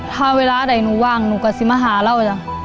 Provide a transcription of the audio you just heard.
ถ้าเวลาใดหนูว่างหนูก็สิมาหาเราจ้ะ